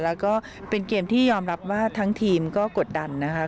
แล้วก็เป็นเกมที่ยอมรับว่าทั้งทีมก็กดดันนะคะ